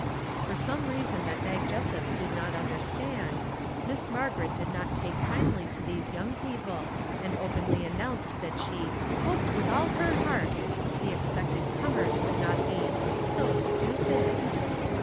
For some reason that Mag Jessup did not under stand, Miss Margaret did not take kindly to these young people, and openly announced that she " hoped with all her heart " the expected comers would not be " so stupid."